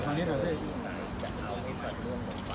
จิรัส